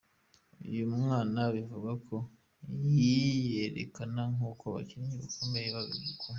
Uyu mwana bivugwa ko yiyerekana nkuko abakinnyi bakomeye ku.